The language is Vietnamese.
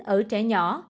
ở trẻ nhỏ